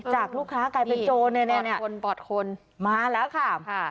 จากลูกค้ากลายเป็นโจรเนี่ยเนี่ยปอดคนปอดคนมาแล้วค่ะค่ะ